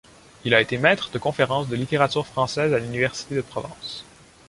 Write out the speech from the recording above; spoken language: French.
Il a été maître de conférences de littérature française à l'université de Provence.